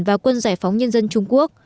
và quân giải phóng nhân dân trung quốc